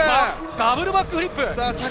ダブルバックフリップ！